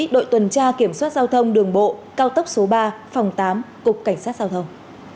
giao thông đường bộ cao tốc số ba phòng tám cục cảnh sát giao thông